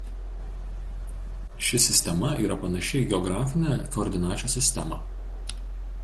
Ši sistema yra panaši į geografinę koordinačių sistemą.